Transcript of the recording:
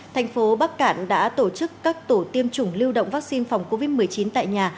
thành phố bắc cạn đã tổ chức các tổ tiêm chủng lưu động vaccine phòng covid một mươi chín tại nhà